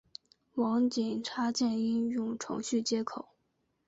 网景插件应用程序接口。